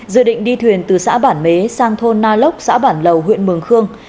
dự định đi thuyền từ xã bản mế sang thôn na lốc xã bản lầu huyện mường khương